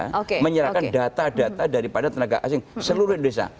kita menyerahkan data data daripada tenaga asing seluruh indonesia